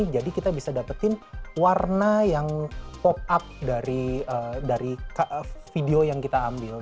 jadi kita bisa dapetin warna yang pop up dari video yang kita ambil